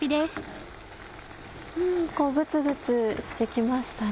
うんグツグツして来ましたね。